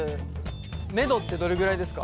めどってどれぐらいですか？